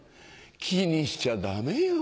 気にしちゃダメよ。